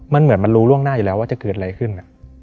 มันเหมือนมันรู้ล่วงหน้าอยู่แล้วว่าจะเกิดอะไรขึ้น